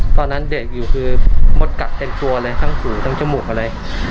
ตอนนั้นเด็กอยู่คือมดกัดเต็มตัวเลยทั้งหูทั้งจมูกอะไร